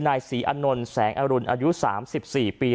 นายศรีอนนท์แสงอรุณอายุ๓๔ปี